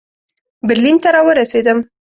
برلین ته را ورسېدم.